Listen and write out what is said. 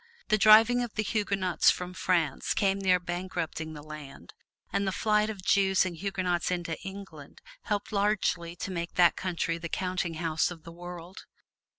The driving of the Huguenots from France came near bankrupting the land, and the flight of Jews and Huguenots into England helped largely to make that country the counting house of the world.